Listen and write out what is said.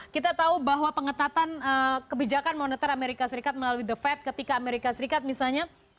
kita tahu bahwa pengetatan kebijakan moneter amerika serikat melalui the fed ketika amerika serikat misalnya